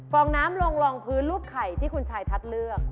องน้ำลงรองพื้นรูปไข่ที่คุณชายทัศน์เลือก